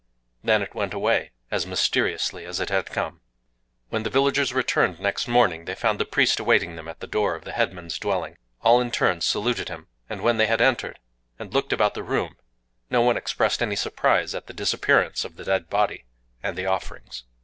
Then it went away, as mysteriously as it had come. When the villagers returned next morning, they found the priest awaiting them at the door of the headman's dwelling. All in turn saluted him; and when they had entered, and looked about the room, no one expressed any surprise at the disappearance of the dead body and the offerings.